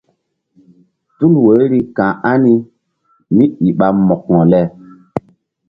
Tul woiri ka̧h ani kémíi ɓa mo̧ko?